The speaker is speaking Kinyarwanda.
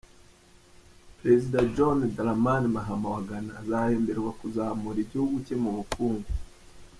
Perezida John Dramani Mahama wa Ghana, azahemberwa kuzamura igihugu cye mu bukungu.